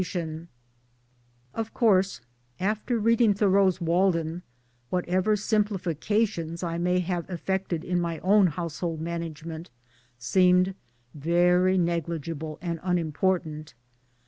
MILLTHORPE AND HOUSEHOLD LIFE [165 Of course, after reading Thoreau's Walden, what ever simplifications I may have effected in my own household management seemed very negligible and unimportant.